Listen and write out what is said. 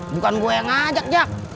bukan gue yang ngajak jak